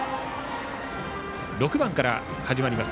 ６番から始まります